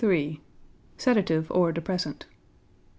Sedative or depressant.